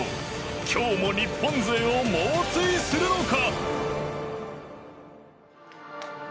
今日も日本勢を猛追するのか。